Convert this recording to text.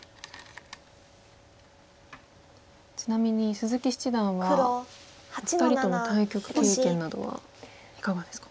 ちなみに鈴木七段はお二人との対局経験などはいかがですか？